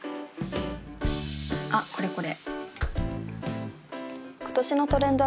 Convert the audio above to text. あっこれこれ。